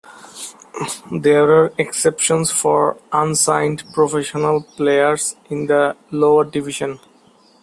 There are exceptions for unsigned professional players in the lower divisions.